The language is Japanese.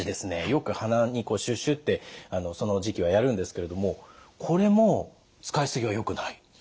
よく鼻にこうシュシュってその時期はやるんですけれどもこれも使い過ぎはよくない？